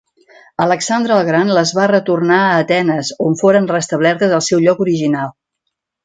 Alexandre el Gran les va retornar a Atenes on foren restablertes al seu lloc original.